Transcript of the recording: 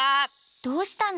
どうしたの？